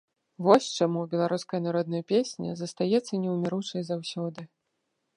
Вось чаму беларуская народная песня застаецца неўміручай заўсёды.